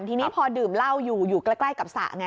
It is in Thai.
ทีนี้พอดื่มเหล้าอยู่อยู่ใกล้กับสระไง